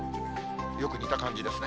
よく似た感じですね。